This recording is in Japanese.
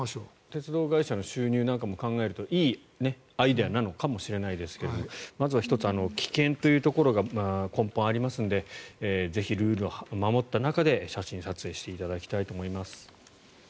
鉄道会社の収入なんかも考えるといいアイデアなのかもしれないですけどまずは１つ危険というところが根本にありますのでぜひルールを守った中で写真撮影していただきたいと思います。